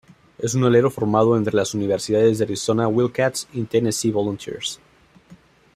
Es un alero formado entre las universidades de Arizona Wildcats y Tennessee Volunteers.